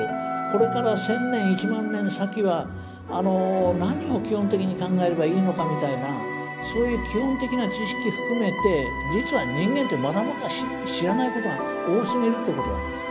これから１，０００年１万年先は何を基本的に考えればいいのかみたいなそういう基本的な知識含めて実は人間ってまだまだ知らないことが多すぎるということなんです。